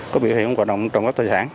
có biểu hiện hoạt động trộm cắp tài sản